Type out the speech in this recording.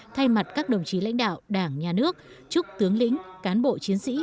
thay mặt các đồng chí lãnh đạo đảng nhà nước chúc tướng lĩnh cán bộ chiến sĩ